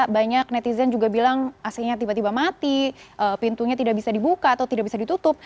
banyak netizen juga bilang ac nya tiba tiba mati pintunya tidak bisa dibuka atau tidak bisa ditutup